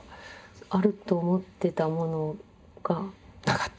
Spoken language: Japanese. あると思ってたものが。なかった。